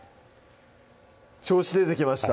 調子出てきました